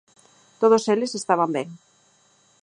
Todos eles estaban ben.